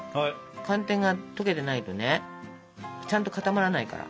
寒天が溶けてないとねちゃんと固まらないから。